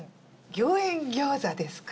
餃苑餃子ですか？